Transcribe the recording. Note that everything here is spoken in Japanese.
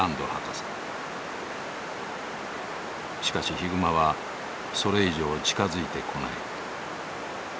しかしヒグマはそれ以上近づいてこない。